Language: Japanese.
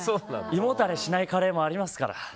胃もたれしないカレーもありますから！